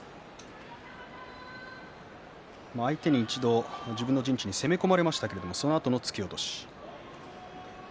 相手に一度自分の陣地に攻め込まれましたけど、そのあとの突き落としです。